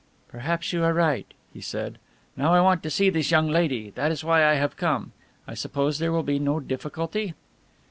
"Perhaps you are right," he said. "Now I want to see this young lady, that is why I have come. I suppose there will be no difficulty?"